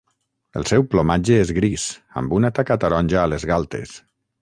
El seu plomatge és gris, amb una taca taronja a les galtes.